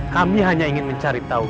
kami hanya ingin mencari tahu